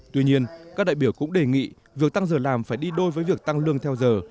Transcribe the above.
tuy nhiên các đại biểu cũng đề nghị việc tăng giờ làm phải đi đôi với việc tăng lương theo giờ